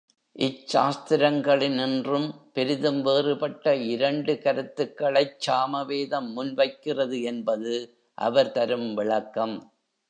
இச்சாஸ்திரங்களினின்றும் பெரிதும் வேறுபட்ட இரண்டு கருத்துக்களைச் சாமவேதம் முன்வைக்கிறது என்பது அவர் தரும் விளக்கம்.